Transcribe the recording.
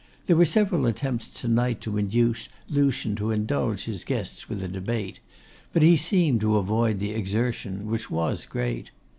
There were several attempts to night to induce Lucian to indulge his guests with a debate, but he seemed to avoid the exertion, which was great.